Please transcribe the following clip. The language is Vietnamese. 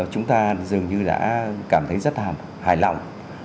chúng ta dường như đã cảm thấy rất là hài lòng